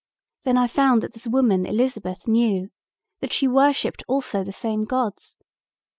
Then I found that this woman Elizabeth knew, that she worshipped also the same gods.